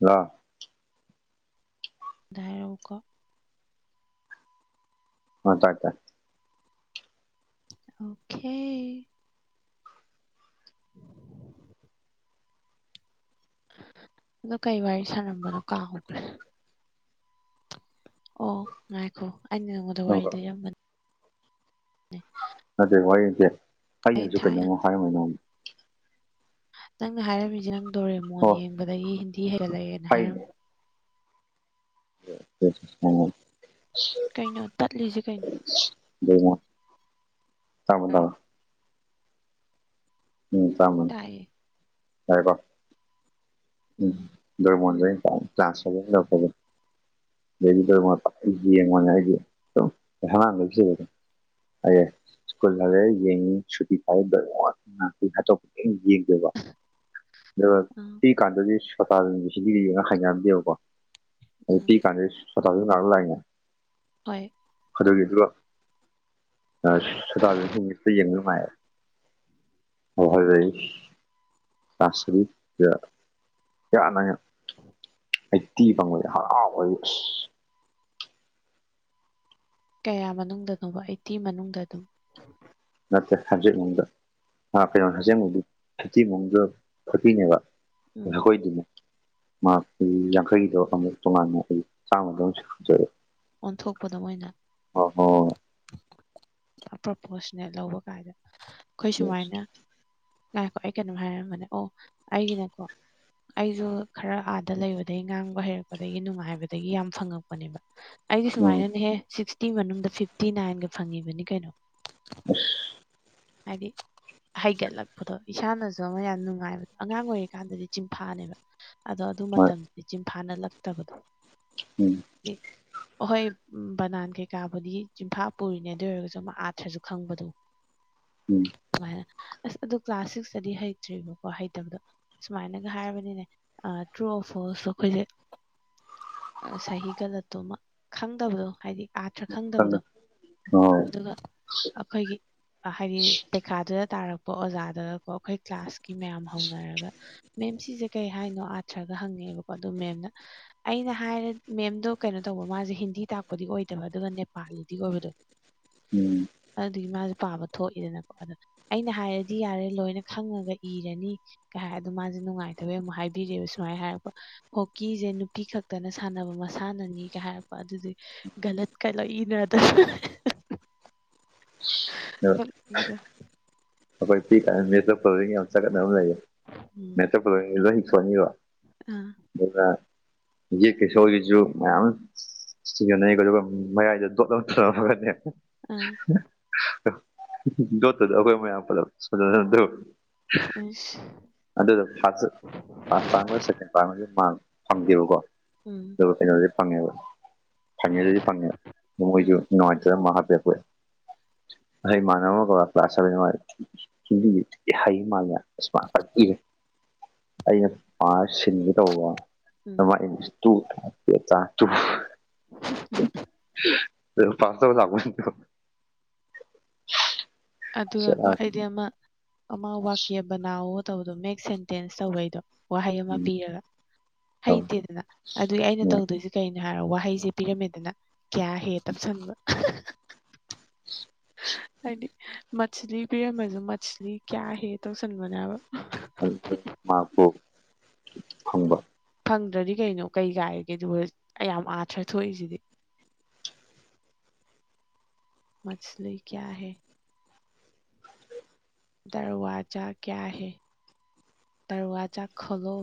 hello [unintelligible] ꯏꯔꯥꯎꯀꯣ ꯍꯣꯏ ꯇꯥꯏ ꯇꯥꯏ ꯑꯣꯀꯦ [inaudible] ꯑꯗꯣ ꯀꯩ ꯋꯥꯔꯤ ꯁꯥꯅꯝꯕꯅꯣ ꯀꯥꯎꯒ꯭ꯔꯦ ꯑꯣ ꯉꯥꯏꯈꯣ ꯑꯩꯅ ꯅꯪꯉꯣꯟꯗ ꯋꯥꯔꯤ ꯑꯗꯨꯒ ꯂꯤꯔꯝꯕꯅꯤ ꯅꯠꯇꯦ ꯋꯥꯔꯤ ꯅꯠꯇꯦ ꯑꯩ ꯑꯩꯅꯖꯨ ꯊꯥꯏꯅ ꯀꯩꯅꯣꯝꯃ ꯍꯥꯏꯔꯝꯕ ꯅꯪꯉꯣꯟꯗ ꯅꯪꯅ ꯍꯥꯏꯔꯝꯃꯤꯖꯦ ꯅꯪ ꯗꯣꯔꯤꯃꯣꯟ ꯑꯣ ꯌꯦꯡꯕꯗꯒꯤ ꯍꯤꯟꯗꯤ ꯍꯩꯒꯠꯂꯛꯑꯦꯅ ꯍꯥꯏꯅꯦ ꯍꯥꯏꯔꯝꯕ [unintelligible] ꯀꯩꯅꯣ ꯇꯠꯂꯤꯖꯦ ꯀꯩꯅꯣ [unintelligible] ꯎꯝ ꯆꯥꯃ ꯇꯥꯏꯌꯦ ꯎꯝ ꯎꯝ [unintelligible] ꯀ꯭ꯂꯥꯁ ꯁꯥꯕꯦꯟ ꯌꯧꯔꯛꯄꯗꯩ [unintelligible] ꯑꯦ ꯁ꯭ꯀꯨꯜ ꯍꯥꯜꯂꯛꯑꯦ ꯌꯦꯡꯉꯤ ꯁꯨꯇꯤ ꯊꯥꯏ [unintelligible] ꯑꯇꯣꯞꯄ ꯀꯩꯝ ꯌꯦꯡꯗꯦꯕ ꯑꯗꯨꯒ ꯎꯝ ꯄꯤꯞ ꯁꯤ ꯀꯥꯟꯗꯗꯤ ꯁꯣꯇꯕꯤꯝ ꯁꯤꯗꯤ ꯍꯩꯅꯔꯝꯗꯦꯕꯀꯣ ꯑꯗ ꯎꯝ ꯄꯤꯛꯏ ꯀꯥꯟꯗ ꯁꯣꯇꯕꯤꯝ ꯉꯛꯂꯛꯏꯅꯦ ꯍꯣꯏ ꯑꯗꯨꯒꯤꯖꯨ [unintelligible] ꯌꯦꯡꯕ ꯅꯨꯡꯉꯥꯏ [unintelligible] [inaudible] ꯑꯩꯠꯇꯤ ꯐꯪꯕꯖꯦ ꯍꯔꯥꯎꯕꯖꯤ ꯑꯁ ꯀꯌꯥ ꯃꯅꯨꯡꯗꯅꯣꯕ ꯑꯩꯠꯇꯤ ꯃꯅꯨꯡꯗ ꯑꯗꯨꯝ ꯅꯠꯇ꯭ꯔꯦ ꯍꯟꯗ꯭ꯔꯦꯠ ꯃꯅꯨꯡꯗ ꯑꯥ ꯀꯩꯅꯣ ꯑꯖꯦꯡꯕꯩꯗꯤ ꯐꯤꯐꯇꯤ ꯃꯅꯨꯡꯗ ꯐꯣꯔꯇꯤꯅꯦꯕ ꯎꯝ ꯑꯈꯣꯏꯗꯤꯅꯦ ꯃꯥꯛ ꯌꯥꯡꯈꯩꯒꯤꯗꯣ ꯑꯃꯨꯛ ꯇꯣꯉꯥꯟꯅ ꯑꯩ ꯆꯥꯝꯃꯗ ꯆꯤꯡꯈꯠꯈ꯭ꯔꯦ ꯑꯣꯟꯊꯣꯛꯄꯗꯣ ꯃꯣꯏꯅ ꯄ꯭ꯔꯣꯄꯣꯁꯅꯦꯠ ꯂꯧꯕ ꯀꯥꯏꯗ ꯈꯣꯏ ꯌꯦꯁ ꯁꯨꯃꯥꯏꯅ ꯉꯥꯏꯈꯣ ꯑꯩ ꯀꯩꯅꯣꯝ ꯍꯥꯏꯔꯝꯕꯅꯦ ꯑꯣ ꯑꯩꯒꯤꯅꯀꯣ ꯑꯩꯖꯨ ꯈꯔ ꯑꯥꯗ ꯂꯩꯕꯗꯒꯤ ꯉꯥꯡꯕ ꯍꯩꯔꯛꯄꯗꯒꯤ ꯅꯨꯡꯉꯥꯏꯕꯗꯒꯤ ꯌꯥꯝ ꯐꯪꯉꯛꯄꯅꯦꯕ ꯑꯩꯗꯤ ꯎꯝ ꯁꯨꯃꯥꯏꯅꯅꯦꯍꯦ ꯁꯤꯛꯁꯇꯤ ꯃꯅꯨꯡꯗ ꯐꯤꯐꯇꯤ ꯅꯥꯏꯟꯒ ꯐꯪꯉꯤꯕꯅꯤ ꯀꯩꯅꯣ [unintelligible] ꯍꯥꯏꯗꯤ ꯍꯩꯒꯠꯂꯛꯄꯗꯣ ꯏꯁꯥꯅꯖꯨ ꯑꯃ ꯌꯥꯝ ꯅꯨꯡꯉꯥꯏꯕꯗꯣ ꯑꯉꯥꯡ ꯑꯣꯏꯔꯤꯀꯥꯟꯗꯗꯤ ꯆꯤꯟꯐꯥꯅꯦꯕ ꯑꯗꯣ ꯑꯗꯨ ꯍꯣꯏ ꯃꯇꯝꯗꯗꯤ ꯆꯤꯟꯐꯥ ꯅꯠꯂꯛꯇꯕꯗꯣ ꯎꯝ [unintelligible] ꯍꯣꯏ ꯕꯅꯥꯟ ꯀꯩꯀꯥꯕꯨꯗꯤ ꯆꯝꯐꯥ ꯄꯨꯔꯤꯅꯦ ꯑꯗꯨ ꯑꯣꯏꯔꯒꯖꯨ ꯑꯃ ꯑꯥꯊ꯭ꯔꯖꯨ ꯈꯪꯕꯗꯣ [inaudible] ꯎꯝ ꯑꯗꯨꯃꯥꯏꯅ ꯑꯁ ꯑꯗꯣ ꯀ꯭ꯂꯥꯁ ꯁꯤꯛꯁꯇꯗꯤ ꯍꯩꯇ꯭ꯔꯤꯕꯀꯣ ꯍꯩꯇꯕꯗꯣ ꯁꯨꯃꯥꯏꯅꯒ ꯍꯥꯏꯔꯕꯅꯤꯅꯦ ꯑꯥ ꯇ꯭ꯔꯨ ꯑꯣ ꯐꯣꯜꯁꯇꯣ ꯑꯈꯣꯏꯖꯦ ꯑꯥ ꯁꯍꯤ ꯒꯂꯠꯇꯣ ꯑꯃ ꯈꯪꯗꯕꯗꯣ ꯍꯥꯏꯗꯤ ꯑꯊ꯭ꯔꯥ ꯈꯪꯗꯕꯗꯣ ꯑꯣ ꯑꯈꯣꯏꯒꯤ ꯍꯥꯏꯗꯤ ꯄꯩꯈꯥꯗꯨꯗ ꯇꯥꯔꯛꯄ ꯑꯣꯖꯥꯗꯒ ꯀꯣ ꯈꯣꯏ ꯀ꯭ꯂꯥꯁꯀꯤ ꯃꯌꯥꯝ ꯍꯧꯅꯔꯒ ꯃꯦꯝ ꯁꯤꯖꯦ ꯀꯩ ꯍꯥꯏꯅꯣ ꯑꯥꯊ꯭ꯔꯒ ꯍꯪꯉꯦꯕꯀꯣ ꯑꯗꯨ ꯃꯦꯝꯅ ꯑꯩꯅ ꯍꯥꯏꯔꯦ ꯃꯦꯝꯗꯣ ꯀꯩꯅꯣ ꯇꯧꯕ ꯃꯥꯖꯦ ꯍꯤꯟꯗꯤ ꯇꯥꯛꯄꯗꯤ ꯑꯣꯏꯗꯕ ꯑꯗꯨꯒ ꯅꯦꯄꯥꯂꯤꯗꯤ ꯑꯣꯏꯕꯗꯣ ꯎꯝ ꯑꯗꯨꯗꯨꯒꯤ ꯃꯥꯖꯨ ꯄꯥꯕ ꯊꯣꯛꯏꯗꯅꯀꯣ ꯑꯗ ꯑꯩꯅ ꯍꯥꯏꯔꯗꯤ ꯌꯥꯔꯦ ꯂꯣꯏꯅ ꯈꯪꯉꯒ ꯏꯔꯅꯤ ꯀꯩ ꯍꯥꯏ ꯑꯗꯣ ꯃꯥꯖꯦ ꯅꯨꯡꯉꯥꯏꯇꯕꯩ ꯑꯃꯨꯛ ꯍꯥꯏꯕꯤꯔꯤꯕ ꯁꯨꯃꯥꯏꯟ ꯍꯥꯏꯔꯛꯄ ꯍꯣꯛꯀꯤꯖꯦ ꯅꯨꯄꯤ ꯈꯛꯇꯅ ꯁꯥꯟꯅꯕ ꯃꯁꯥꯟꯅꯅꯤꯒ ꯍꯥꯏ ꯑꯗꯨꯗꯤ ꯒꯅꯠꯀ ꯂ ꯏꯅꯔꯡ ꯇꯧ [unintelligible] ꯅꯣꯛꯅꯤꯡꯉꯤꯗ ꯑꯈꯣꯏ ꯄꯤ ꯒꯥꯏꯅ ꯃꯦꯠꯁ ꯗ ꯐꯣꯂꯣꯌꯤꯡ ꯌꯥꯝ ꯆꯥꯒꯠꯅꯕ ꯂꯩꯌꯦ ꯎꯝ ꯃꯦꯠꯁ ꯗ ꯐꯣꯂꯣꯋꯤꯡ ꯂꯣꯏ ꯏꯊꯣꯛꯑꯅꯤꯕ ꯑꯥ ꯗꯨꯈ ꯍꯧꯖꯤꯛ ꯀꯦꯁꯣꯒꯤꯖꯨ ꯃꯌꯥꯝ ꯁꯤꯅꯅꯩꯀꯣ ꯑꯗꯨꯒ ꯃꯌꯥꯏꯗ ꯗꯣꯠ ꯑꯃ ꯊꯥꯅꯝꯃꯒꯅꯦ ꯑꯥ [unintelligible] ꯗꯣꯠꯇꯨꯗ ꯑꯈꯣꯏ ꯃꯌꯥꯝ ꯄꯨꯂꯞ [unintelligible] ꯑꯩꯁ ꯑꯗꯨꯗ ꯐꯥꯔꯁ ꯐꯥꯔꯁ ꯇꯥꯝꯒ ꯁꯦꯀꯦꯟ ꯇꯥꯝꯒꯖꯨ ꯃꯥꯥꯔꯛ ꯐꯪꯗꯦꯕꯀꯣ ꯎꯝ ꯑꯗꯨꯒ ꯀꯩꯅꯣꯗꯤ ꯐꯪꯉꯦꯕ ꯐꯥꯏꯅꯦꯜꯗꯗꯤ ꯐꯪꯉꯦ ꯑꯗꯨ ꯃꯣꯏꯖꯨ ꯑꯥ ꯅꯨꯡꯉꯥꯏꯇ꯭ꯔꯦ ꯃꯥꯛ ꯍꯥꯞꯄꯦ [unintelligible] ꯑꯩ ꯏꯃꯥꯥꯟꯅꯕ ꯑꯃ ꯀꯣ ꯀ꯭ꯂꯥꯁ ꯁꯚꯦꯟ ꯍꯣꯏ ꯍꯤꯟꯗꯤꯒꯤ ꯍꯩ ꯃꯥꯜꯂꯦ ꯏꯁ ꯐꯠ ꯏꯌꯦ ꯑꯩꯅ ꯄꯥꯔ ꯁꯤꯟꯒꯦ ꯇꯧꯕ ꯎꯝ ꯑꯗꯨꯃꯥꯏꯟ [unintelligible] ꯇꯨ ꯌꯦ ꯇ ꯇꯨ [unintelligible] [unintelligible] ꯄꯥꯁꯇꯧꯔ ꯂꯥꯛꯄ [unintelligible] ꯑꯗꯨꯒꯀꯣ ꯁꯦꯔꯥꯟ ꯑꯩꯗꯤ ꯑꯃ ꯑꯃ ꯋꯥꯀ꯭ꯌꯥ ꯕꯅꯥꯎꯋꯣ ꯇꯧꯕꯗꯣ ꯃꯦꯛ ꯁꯦꯟꯇꯦꯟꯁ ꯇꯧꯕꯩꯗꯣ ꯋꯥꯍꯩ ꯑꯃ ꯄꯤꯔꯒ ꯍꯩꯇꯦꯗꯅ ꯑꯗꯨꯒꯤ ꯑꯩꯅ ꯇꯧꯗꯨꯏꯖꯦ ꯀꯩꯅꯣ ꯍꯥꯏꯔꯣ ꯋꯥꯍꯩꯖꯦ ꯄꯤꯔꯝꯃꯦꯗꯅ ꯀꯌꯥ ꯍꯦ ꯇꯞꯁꯟꯕ [unintelligible] ꯍꯥꯏꯗꯤ ꯃꯠꯁ꯭ꯂꯤ ꯄꯤꯔꯝꯕꯖꯨ ꯃꯠꯁ꯭ꯂꯤ ꯀꯌꯥ ꯍꯦ ꯇꯧꯁꯟꯕꯅꯦ ꯍꯥꯏꯕ ꯑꯗꯨꯗ ꯃꯥꯔꯛꯇꯤ ꯐꯪꯕ ꯐꯪꯗ꯭ꯔꯗꯤ ꯀꯩꯅꯣ ꯀꯩ ꯀꯥꯏꯔꯒꯦ ꯑꯗꯨ ꯑꯌꯥꯝ ꯑꯊ꯭ꯔꯥ ꯊꯣꯛꯏꯖꯤꯗꯤ ꯃꯠꯁ꯭ꯂꯤ ꯀꯌꯥ ꯍꯦ ꯗ꯭꯭ꯔꯋꯥꯖꯥ ꯀꯌꯥ ꯍꯦ ꯗ꯭ꯔꯋꯥꯖꯥ ꯈꯣꯂꯣ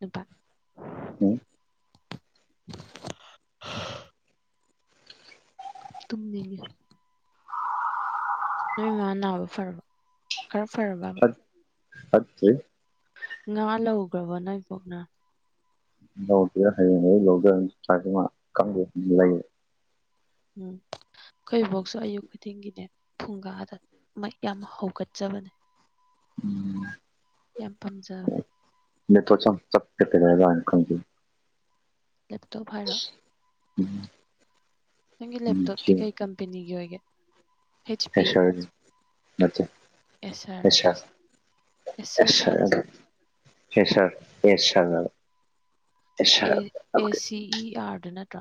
ꯅꯨꯄꯥ ꯍꯝ ꯇꯨꯝꯅꯤꯡꯉꯤ ꯅꯣꯏꯃꯥ ꯅꯥꯕ ꯐꯔꯕ ꯈꯔ ꯐꯔꯕ ꯐꯠꯇꯦ ꯉꯥ ꯂꯧꯒ꯭ꯔꯕꯣ ꯅꯣꯏꯕꯣꯛꯅ ꯂꯧꯗꯦꯗ ꯍꯌꯦꯡ ꯑꯌꯨꯛ ꯂꯧꯗꯣꯏ [unintelligible] ꯈꯪꯗꯦ ꯂꯩꯌꯦ ꯎꯝ ꯈꯣꯏ ꯕꯣꯛꯁꯨ ꯑꯌꯨꯛ ꯈꯨꯗꯤꯡꯒꯤꯅꯦ ꯐꯨꯡꯒꯥꯗ ꯃꯩ ꯌꯥꯝ ꯍꯧꯒꯠꯆꯕꯅꯦ ꯎꯝ ꯌꯥꯝ ꯄꯥꯝꯖꯕꯅꯦ ꯅꯦꯠꯋꯥꯛꯁꯦ ꯌꯥꯝ ꯆꯞꯄꯦ ꯀꯩꯗꯧꯔꯖꯥꯠꯅꯣ ꯈꯪꯗꯦ ꯂꯦꯞꯇꯣꯞ ꯍꯥꯏꯔꯣ ꯅꯪꯒꯤ ꯂꯦꯞꯇꯣꯞꯇꯤ ꯀꯩ ꯀꯝꯄꯦꯅꯤꯒꯤ ꯑꯣꯏꯒꯦ ꯍꯥꯁ ꯄꯤ ꯑꯦꯁꯔ ꯑꯦꯁꯁ ꯍꯥꯏꯔꯣ ꯑꯦꯁꯔ ꯑꯦ ꯁꯔ ꯍꯥꯏꯕ ꯑꯦ ꯑꯦ ꯁꯤ ꯏ ꯑꯥꯔꯗꯣ ꯅꯠꯇ꯭ꯔꯣ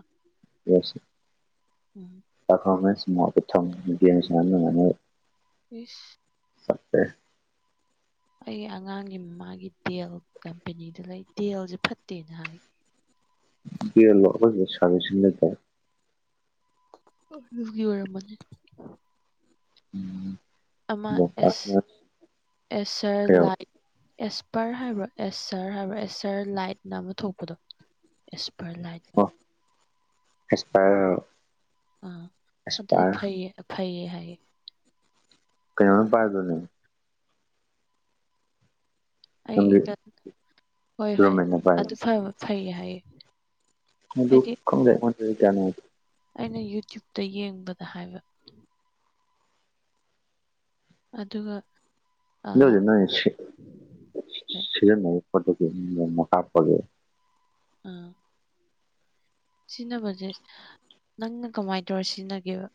ꯌꯦꯁ ꯎꯝ ꯄ꯭ꯔꯐꯣꯃꯦꯟꯁ ꯃꯣꯠꯇ ꯊꯝ ꯒꯦꯝ ꯁꯥꯟꯅꯕ ꯅꯨꯉꯥꯏꯅꯕ ꯏꯁ ꯐꯠꯇꯦ ꯑꯩ ꯑꯉꯥꯡꯒꯤ ꯃꯥꯒꯤ ꯗꯦꯜ ꯀꯝꯄꯦꯅꯤꯗ ꯂꯩ ꯗꯦꯜꯖꯦ ꯐꯠꯇꯦꯅ ꯍꯥꯏ ꯗꯦꯜꯂꯣ ꯑꯈꯣꯏꯒꯤ ꯁꯥꯔꯕꯤꯁꯤꯡꯗ [unintelligible] ꯑꯗꯨꯒꯤ ꯑꯣꯏꯔꯝꯃꯅꯤ ꯑꯃ ꯑꯦꯁ ꯑꯦꯁꯔ ꯂꯥꯏꯠ ꯑꯦꯁꯄꯔ ꯍꯥꯏꯕ꯭ꯔꯣ ꯑꯦꯁꯔ ꯍꯥꯏꯕ꯭ꯔꯣ ꯑꯦꯁꯔ ꯂꯥꯏꯠꯅ ꯑꯃ ꯊꯣꯛꯄꯗꯣ ꯑꯦꯁꯄꯔ ꯂꯥꯏꯠ ꯑꯦꯁꯄꯔ ꯑꯥ ꯑꯗꯨꯗꯣ ꯐꯩꯌꯦ ꯐꯩꯌꯦ ꯍꯥꯏꯌꯦ ꯀꯩꯅꯣꯅ ꯄꯥꯏꯕꯗꯨꯅꯦ ꯑꯩꯗ ꯍꯣꯏ ꯍꯣꯏ ꯑꯗꯨ ꯐꯥꯕ ꯐꯩ ꯍꯥꯏꯌꯦ ꯑꯗꯨ ꯍꯥꯏꯗꯤ ꯈꯪꯗꯦ ꯑꯩꯉꯣꯟꯗꯗꯤ ꯀꯌꯥ ꯅꯨꯉꯥꯏꯇꯦ ꯑꯩꯅ ꯌꯨꯇ꯭ꯌꯨꯞꯇ ꯌꯦꯡꯕꯗ ꯍꯥꯏꯕ ꯑꯗꯨꯒ ꯑꯥ ꯑꯗꯨꯕꯨꯗꯤ ꯅꯣꯏ ꯁꯤ ꯍꯣꯏ ꯁꯤꯖꯤꯟꯅꯩ ꯄꯣꯠꯇꯨꯒꯤ ꯃ ꯃꯍꯈꯥ ꯄꯣꯜꯂꯦ ꯑ ꯁꯤꯟꯅꯕꯖꯦ ꯅꯪꯅ ꯀꯃꯥꯏ ꯇꯧꯔ ꯁꯤꯟꯅꯒꯦꯕ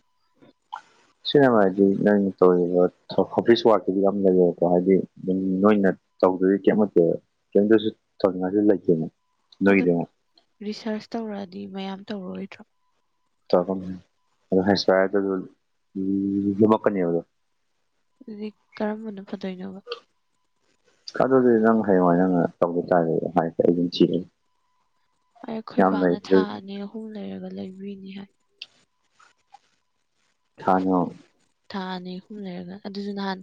ꯁꯤꯟꯅꯕ ꯍꯥꯏꯗꯤ ꯅꯪꯅ ꯇꯧꯔꯤꯕ ꯍꯣ ꯍꯣꯐꯤꯁ ꯋꯥꯛꯇꯨꯒꯤ ꯌꯥꯝ ꯂꯩꯌꯦꯕ ꯍꯥꯏꯗꯤ ꯗꯨꯝ ꯅꯣꯏꯅ ꯇꯧꯗꯣꯏꯖꯤ ꯀꯩꯝ ꯅꯠꯇꯦꯕ ꯀꯩꯝꯇꯖꯨ ꯇꯧꯅꯤꯡꯉꯥꯏꯖꯨ ꯂꯩꯇꯦꯅ ꯑꯗꯨ ꯅꯣꯏꯒꯤꯗꯤ ꯑꯃꯨꯛ ꯔꯤꯁꯔꯁ ꯇꯧꯔꯛꯑꯗꯤ ꯃꯌꯥꯝ ꯇꯧꯔꯛꯑꯣꯏꯗ꯭ꯔꯣ ꯇꯧꯔꯛꯀꯅꯤ ꯑꯗꯣ ꯍꯩꯁꯄꯌꯥꯔꯗꯖꯨ ꯂꯨ ꯂꯨ ꯂꯨꯃꯛꯀꯅꯦꯕ ꯑꯗꯣ ꯑꯗꯨꯗꯤ ꯀꯔꯝꯕꯅ ꯐꯗꯣꯏꯅꯣꯕ ꯑꯗꯨꯗꯤ ꯅꯪ ꯍꯌꯦꯡꯋꯥꯏ ꯅꯪꯅ ꯇꯧꯕ ꯇꯥꯔꯦ ꯍꯥꯏꯗꯤ ꯑꯩ ꯑꯗꯨꯝ ꯊꯤꯔꯦ ꯑꯩ ꯑꯩꯈꯣꯏ ꯕꯥꯅ ꯊꯥ ꯑꯅꯤ ꯑꯍꯨꯝ ꯂꯩꯔꯒ ꯂꯩꯕꯤꯅꯤ ꯍꯥꯏ ꯊꯥ ꯑꯅꯤ ꯑꯣ ꯊꯥ ꯑꯅꯤ ꯑꯍꯨꯝ ꯂꯩꯔꯒ ꯑꯗꯨꯖꯨ ꯅꯍꯥꯟ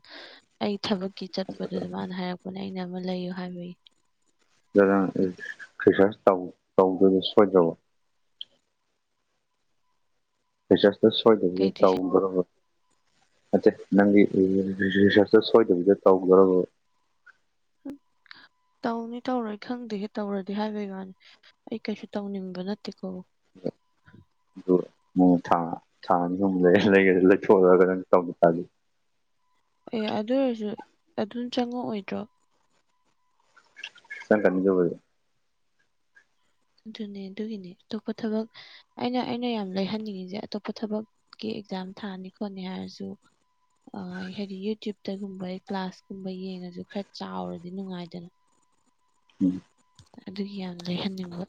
ꯑꯩ ꯊꯕꯛꯀꯤ ꯆꯠꯄꯗꯨꯗ ꯃꯥꯅ ꯍꯥꯏꯔꯛ ꯄꯅꯦ ꯑꯩꯅ ꯑꯃ ꯂꯩꯌꯨ ꯍꯥꯏꯕꯩ ꯑꯗꯣ ꯅꯪ ꯔꯤ ꯔꯤꯁꯔꯁ ꯇꯧ ꯇꯧꯕꯗꯨ ꯁꯣꯏꯗ꯭ꯔꯕꯣ ꯔꯤꯁꯁꯇꯣ ꯁ꯭ꯣꯏꯗꯕꯤꯗ ꯀꯩ ꯇꯨꯏꯁꯟ ꯇꯧꯗꯣꯔꯕꯣ ꯅꯠꯇꯦ ꯅꯪꯒꯤ ꯔꯤ ꯔꯤ ꯔꯤꯁꯁꯇꯣ ꯁꯣꯏꯗꯕꯤꯗ ꯇꯧꯗꯣꯔꯕꯕ [unintelligible] ꯇꯧꯅꯤ ꯇꯧꯔꯣꯏ ꯈꯪꯗꯦꯍꯦ ꯇꯧꯔꯗꯤ ꯍꯥꯏꯕꯩ ꯋꯥꯅꯤ ꯑꯩ ꯀꯩꯁꯨ ꯇꯧꯅꯤꯡꯕ ꯅꯠꯇꯦꯀꯣ ꯃꯣ ꯊꯥ ꯊꯥ ꯑꯅꯤ ꯑꯍꯨꯝ ꯂꯩ ꯂꯩꯒꯦ ꯂꯩꯊꯣꯛꯎꯔꯒ ꯅꯪ ꯇꯧ ꯇꯜꯂꯤ ꯑꯦ ꯑꯗꯨ ꯑꯣꯏꯖꯨ ꯑꯗꯨꯝ ꯆꯪꯉꯛꯑꯣꯏꯗ꯭ꯔꯣ ꯆꯪꯉꯛꯀꯅꯤ ꯑꯗꯨꯕꯨꯗꯤ ꯑꯗꯨꯅꯦ ꯑꯗꯨꯒꯤꯅꯦ ꯑꯇꯣꯞꯄ ꯊꯕꯛ ꯑꯩꯅ ꯑꯩꯅ ꯌꯥꯝ ꯂꯩꯍꯟꯅꯤꯡꯉꯤꯖꯦ ꯑꯇꯣꯞꯄ ꯊꯕꯛꯀꯤ ꯑꯦꯛꯖꯥꯝ ꯊꯥꯅꯤ ꯈꯣꯠꯅꯤ ꯍꯥꯏꯔꯖꯨ ꯑ ꯍꯩ ꯍꯩꯗꯤ ꯌꯨꯇ꯭ꯌꯨꯕꯇꯒꯨꯝꯕ ꯀ꯭ꯂꯥꯁꯀꯨꯝꯕ ꯌꯦꯡꯉꯖꯨ ꯈꯔ ꯆꯥꯎꯔꯗꯤ ꯅꯨꯡꯉꯥꯏꯗꯅ [inaudible] ꯎꯝ ꯑꯗꯨꯒꯤ ꯌꯥꯝ ꯂꯩꯍꯟꯅꯤꯡꯕ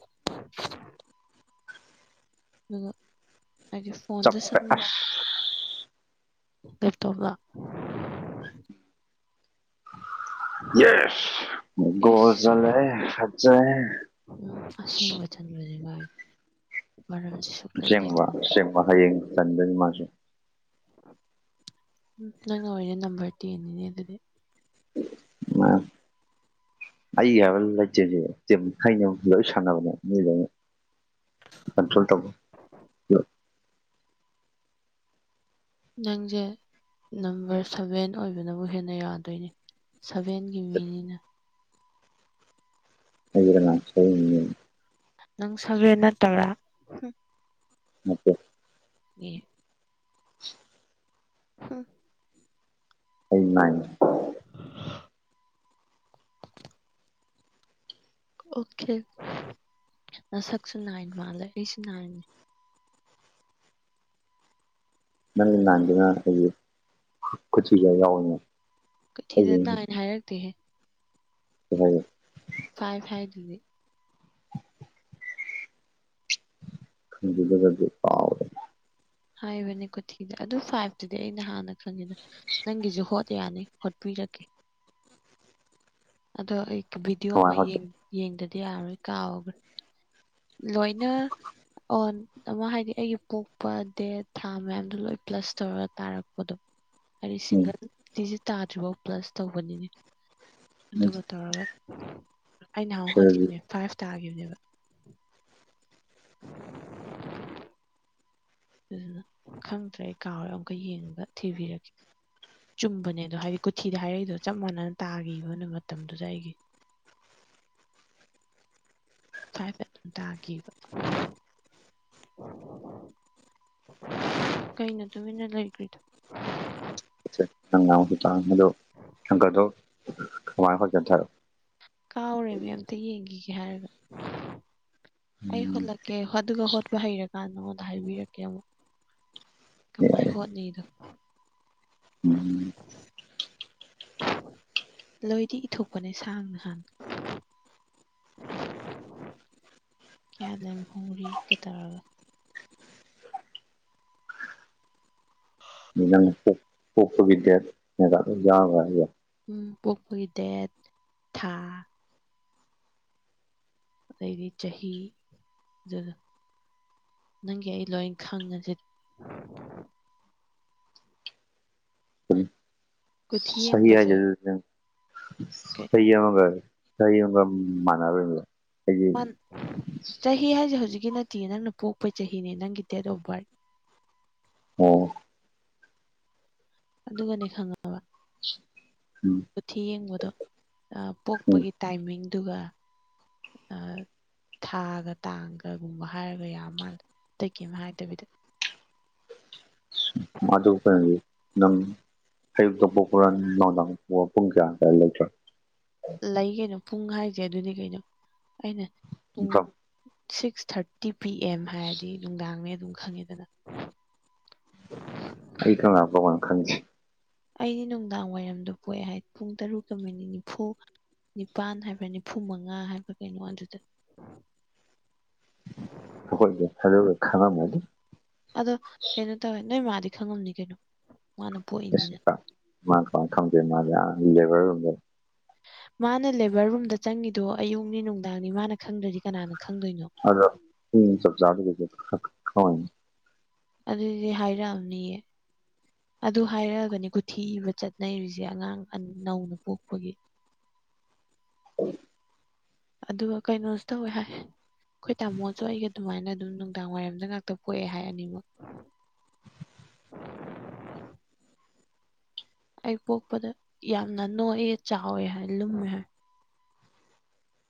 ꯑꯗꯨꯒ ꯍꯥꯏꯕꯤꯌꯨ ꯆꯞꯄꯦ ꯑꯁ ꯂꯦꯞꯇꯣꯞꯂꯣ ꯌꯦꯁ ꯒꯣꯜ ꯏꯁ ꯆꯜꯂꯦ ꯍꯦ ꯐꯖꯩꯍꯦ ꯎꯝ ꯑꯁꯦꯡꯕ ꯆꯟꯂꯕꯁꯤꯉꯥꯏ ꯃꯔꯝ ꯑꯁꯦꯡꯕ ꯑꯁꯦꯡꯕ ꯍꯌꯦꯡ ꯆꯟꯗꯣꯏꯅꯤ ꯃꯥꯁꯨ ꯅꯪꯅ ꯑꯣꯏꯔꯤꯁꯦ ꯅꯝꯕꯔ ꯇꯦꯟꯅꯤꯅꯦ ꯑꯗꯨꯗꯤ ꯑ ꯃꯟꯅꯤ [unintelligible] ꯑꯩꯒꯤ ꯍꯥꯏꯕ ꯂꯩꯇꯦꯅꯦ ꯇꯤꯝ ꯍꯩꯅꯕꯤ ꯂꯣꯏ ꯁꯥꯟꯅꯕꯅꯦ ꯃꯤ ꯂꯣꯏꯅ ꯀꯟꯇꯔꯣꯜ ꯇꯧ ꯅꯪꯁꯦ ꯅꯝꯕꯔ ꯁꯚꯦꯟ ꯑꯣꯏꯕꯅꯕꯨ ꯍꯦꯟꯅ ꯌꯥꯗꯣꯏꯅꯦ ꯁꯚꯦꯟꯒꯤ ꯃꯤꯅꯤꯅ ꯂꯩꯔ ꯂꯥꯡ ꯁꯤ [unintelligible] ꯅꯪ ꯁꯚꯦꯅ ꯅꯇꯕ꯭ꯔꯥ ꯅꯠꯇꯦ ꯑꯦ ꯍ [unintelligible] ꯑꯩ ꯅꯥꯏꯟ ꯑꯣꯀꯦ ꯃꯁꯛꯁꯨ ꯅꯥꯏꯟ ꯃꯥꯜꯂꯦ ꯑꯩꯁꯨ ꯅꯥꯏꯟꯅꯤ ꯅꯪꯒꯤ ꯅꯥꯏꯟꯗꯨꯅ ꯑꯩꯁꯦ ꯈꯨꯊꯤꯕꯥ ꯌꯥꯎꯕꯅꯦ ꯀꯨꯊꯤꯗ ꯅꯥꯏꯟ ꯍꯥꯏꯔꯛꯇꯦꯍꯦ ꯅꯪ [unintelligible] ꯐꯥꯏꯕ ꯍꯥꯏꯗꯨꯗꯤ ꯈꯪꯗꯦ ꯑꯗꯨꯒꯗꯤ ꯀꯥꯑꯣꯔꯦ ꯍꯥꯏꯕꯅꯦ ꯀꯨꯊꯤꯗ ꯑꯗꯨ ꯐꯥꯏꯚꯇꯨꯗꯤ ꯑꯩꯅ ꯅꯥꯍꯥꯟꯅ ꯈꯪꯉꯦꯗ ꯅꯪꯒꯤꯁꯨ ꯍꯣꯠ ꯌꯥꯅꯤ ꯍꯧꯠꯄꯤꯔꯛꯀꯦ ꯑꯗꯣ ꯑꯩ ꯚꯤꯗꯤꯑꯣ ꯀꯃꯥꯏ ꯑꯃ ꯍꯣꯠ ꯌꯦꯡꯗꯗꯤ ꯌꯥꯔꯔꯣꯏ ꯀꯥꯎꯈ꯭ꯔꯦ ꯂꯣꯏꯅ ꯑꯣ ꯑꯃ ꯍꯥꯏꯗꯤ ꯑꯩꯒꯤ ꯄꯣꯛꯄ ꯗꯦꯠ ꯊꯥ ꯃꯌꯥꯝꯗꯣ ꯂꯣꯏ ꯄ꯭ꯂꯁ ꯇꯧꯔ ꯇꯥꯔꯛꯄꯗꯣ ꯍꯥꯏꯗꯤ ꯎꯝ ꯁꯤꯡꯒꯜ ꯗꯤꯖꯤꯠ ꯇꯥꯗ꯭ꯔꯤꯐꯥꯎ ꯄ꯭ꯂꯁ ꯇꯧꯕꯅꯤꯅꯦ ꯑꯗꯨꯒ ꯇꯧꯔꯒ ꯑꯩ ꯅꯍꯥꯟꯃꯨꯛ ꯁꯤꯗꯗꯤ ꯍꯣꯠꯈꯤꯕꯅꯦ ꯐꯥꯏꯚ ꯇꯥꯈꯤꯕꯅꯦꯕ ꯑꯗꯨꯅ ꯈꯪꯗ꯭ꯔꯦ ꯑꯩ ꯀꯥꯎꯔꯦ ꯑꯃꯨꯛꯀ ꯌꯦꯡꯉꯒ ꯊꯤꯕꯤꯔꯛꯀꯦ ꯆꯨꯝꯕꯅꯦ ꯑꯗꯣ ꯍꯥꯏꯗꯤ ꯀꯨꯊꯤꯗ ꯍꯥꯏꯔꯛꯏꯗꯣ ꯆꯞ ꯃꯥꯟꯅꯅ ꯇꯥꯈꯤꯕ ꯃꯇꯝꯗꯨꯗ ꯑꯩꯒꯤ ꯐꯥꯏꯚ ꯑꯗꯨꯝ ꯇꯥꯈꯤꯕ ꯀꯩꯅꯣ ꯇꯨꯃꯤꯟꯅ ꯂꯩꯈ꯭ꯔꯤꯗꯣ [unintelligible] [unintelligible] ꯁꯨꯃꯥꯏ ꯈꯔ ꯆꯦꯞꯊꯔꯣ ꯀꯥꯎꯔꯦꯃꯤ ꯑꯝꯇ ꯌꯦꯡꯒꯤꯒꯦ ꯍꯥꯏꯔꯒ ꯑꯩ ꯎꯝ ꯍꯣꯜꯂꯛꯀꯦ ꯍꯣ ꯑꯗꯨꯒ ꯍꯣꯠꯄ ꯍꯩꯔꯀꯥꯟ ꯅꯉꯣꯟꯗ ꯍꯥꯏꯕꯤꯔꯛꯀꯦ ꯑꯃꯨꯛ ꯀꯃꯥꯏ ꯍꯣꯠꯅꯤꯗꯣ ꯎꯝ ꯂꯣꯏꯗꯤ ꯏꯊꯣꯛꯄꯅꯦ ꯁꯥꯡꯅ ꯍꯥꯟꯅ ꯀꯌꯥ ꯂꯦꯝꯍꯧꯔꯤ‌ ꯀꯩꯗꯧꯔꯕ [unintelligible] ꯅꯪ ꯄꯣꯛ ꯄꯣꯛꯄꯒꯤ ꯗꯦꯠ [unintelligible] ꯎꯝ ꯄꯣꯛꯄꯒꯤ ꯗꯦꯠ ꯊꯥ ꯑꯗꯩꯗꯤ ꯆꯍꯤ ꯑꯗꯨꯗꯣ ꯅꯪꯒꯤ ꯑꯩ ꯂꯣꯏ ꯈꯪꯉꯁꯤꯗꯤ ꯑꯗꯨꯝ ꯀꯨꯊꯤ ꯆꯍꯤ ꯍꯥꯏꯁꯦ ꯌꯦꯡꯕꯁꯦ ꯑꯗꯨ [unintelligible] ꯀꯩ ꯑꯩ ꯌꯥꯎꯔꯣꯏ ꯍꯥꯏꯕ ꯆꯍꯤ ꯑꯃꯒ ꯃꯥꯟꯅꯔꯣꯏ ꯍꯥꯏꯕ [unintelligible] ꯆꯍꯤ ꯍꯥꯏꯖꯦ ꯍꯧꯖꯤꯛꯀꯤ ꯅꯠꯇꯤꯌꯦ ꯅꯪꯅ ꯄꯣꯛꯄꯩ ꯆꯍꯤꯅꯦ ꯅꯪꯒꯤ ꯗꯦꯠ ꯑꯣꯐ ꯕꯥꯔꯠ ꯑꯣ ꯑꯗꯨꯒꯅꯦ ꯈꯪꯉ ꯎꯝ ꯀꯨꯊꯤ ꯌꯦꯡꯕꯗꯣ ꯑꯥ ꯄꯣꯛꯄꯒꯤ ꯎꯝ ꯇꯥꯏꯃꯤꯡꯗꯨꯒ ꯑꯥ ꯊꯥꯒ ꯇꯥꯡꯒꯒꯨꯝꯕ ꯍꯥꯏꯔꯒ ꯌꯥꯕ ꯃꯥꯜꯂꯦ ꯑꯇꯩ ꯀꯩꯝ ꯍꯥꯏꯗꯕꯤꯗ [inaudible] ꯃꯥꯗꯣ ꯀꯩꯅꯣꯗꯤ ꯅꯪ ꯑꯌꯨꯛꯛꯇ ꯄꯣꯛꯄ꯭ꯔ ꯅꯨꯡꯗꯥꯡ ꯄꯨꯡ ꯀꯌꯥ ꯑꯗꯨꯋꯥꯏ ꯂꯩꯇ꯭ꯔꯥ ꯂꯩ ꯀꯩꯅꯣ ꯄꯨꯡ ꯍꯥꯏꯖꯦ ꯑꯗꯨꯅꯤ ꯀꯩꯅꯣ ꯑꯩꯅ ꯄꯨꯡ ꯁꯤꯛꯁ ꯊꯥꯔꯠ ꯇꯤ ꯄꯤ ꯑꯦꯝ ꯍꯥꯏꯔꯗꯤ ꯅꯨꯡꯗꯥꯡꯅꯦ ꯑꯗꯨꯝ ꯈꯪꯉꯦꯗꯅ ꯑꯩ ꯀꯔꯝꯀꯥꯟ ꯄꯣꯛꯄꯅꯣ ꯈꯪꯗꯦ ꯑꯩꯗꯤ ꯅꯨꯡꯗꯥꯡ ꯋꯥꯏꯔꯝꯗ ꯄꯣꯛꯑꯦ ꯍꯥꯏ ꯄꯨꯡ ꯇꯔꯨꯛꯀ ꯃꯤꯅꯤꯠ ꯅꯤꯐꯨ ꯅꯤꯄꯥꯟ ꯍꯥꯏꯕ꯭ꯔ ꯅꯤꯐꯨ ꯃꯉꯥ ꯍꯥꯏꯕ꯭ꯔ ꯀꯩꯅꯣ ꯑꯗꯨꯗ ꯑꯈꯣꯏꯖꯤ ꯑꯗꯨꯒ ꯈꯪꯉꯝꯃꯗꯤ ꯑꯗꯣ ꯀꯩꯅꯣ ꯇꯧꯋꯦ ꯅꯣꯏ ꯃꯥꯗꯤ ꯈꯪꯉꯝꯅꯤ ꯀꯩꯅꯣ ꯃꯥꯅ ꯑꯁ ꯄꯣꯛꯏꯅꯤꯅ ꯑꯥ ꯃꯥ ꯀꯃꯥꯏ ꯈꯪꯗꯣꯏꯅꯣ ꯃꯥꯗꯤ ꯑꯥ ꯂꯦꯕꯔ ꯔꯨꯝꯗ ꯃꯥꯅ ꯂꯦꯕꯔ ꯔꯨꯝꯗ ꯆꯪꯉꯤꯗꯣ ꯑꯌꯨꯛꯅꯤ ꯅꯨꯡꯗꯥꯡꯅꯤ ꯃꯥꯅ ꯈꯪꯗ꯭ꯔꯗꯤ ꯀꯅꯥꯅ ꯈꯪꯗꯣꯏꯅꯣ ꯑꯗꯣ ꯄꯨꯡ ꯆꯞ ꯆꯥꯕꯤꯒꯩꯗꯤ ꯈꯪ ꯈꯪꯉꯝꯅꯤ ꯑꯗꯨꯗꯤ ꯍꯥꯏꯔꯛꯑꯝꯅꯤꯌꯦ ꯑꯗꯨ ꯍꯥꯏꯔꯛꯑꯥꯒꯅꯦ ꯀꯨꯊꯤ ꯏꯕ ꯆꯠꯅꯔꯤꯖꯦ ꯑꯉꯥꯡ ꯅꯧꯅ ꯄꯣꯛꯄꯒꯤ [unintelligible] ꯑꯗꯨꯒ ꯀꯩꯅꯣꯁꯨ ꯇꯧꯋꯦ ꯍꯥꯏ ꯑꯩꯈꯣꯏ ꯇꯥꯃꯣꯖꯨ ꯑꯩꯒ ꯑꯗꯨꯃꯥꯏꯅ ꯑꯗꯨꯝ ꯅꯨꯡꯗꯥꯡ ꯋꯥꯏꯔꯝꯗ ꯉꯥꯛꯇ ꯄꯣꯛꯑꯦ ꯍꯥꯏ ꯑꯅꯤꯃꯛ ꯑꯩ ꯄꯣꯛꯄꯗ ꯌꯥꯝꯅ ꯅꯣꯏꯌꯦ ꯆꯥꯎꯋꯦ ꯍꯥꯏ ꯂꯨꯝꯃꯦ ꯍꯥꯏ